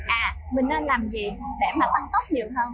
à mình nên làm gì để mà tăng tốc nhiều hơn